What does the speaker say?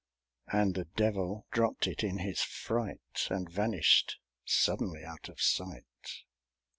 And the Devil dropped it in his fright, And vanished suddenly out of sight!